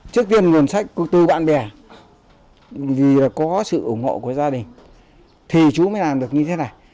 trước tiên nguồn sách từ bạn bè vì là có sự ủng hộ của gia đình thì chú mới làm được như thế này